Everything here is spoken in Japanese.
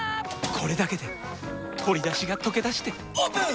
これだけで鶏だしがとけだしてオープン！